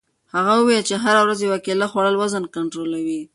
هغه وویل چې هره ورځ یوه کیله خوړل وزن کنټرولوي.